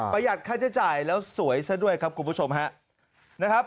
หัดค่าใช้จ่ายแล้วสวยซะด้วยครับคุณผู้ชมครับ